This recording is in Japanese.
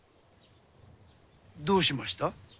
どうしました？